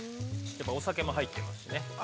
やっぱりお酒も入ってますしね。